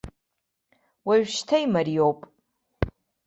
Уажәшьҭа имариоуп.